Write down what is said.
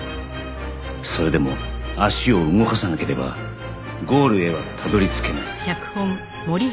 それでも足を動かさなければゴールへはたどり着けない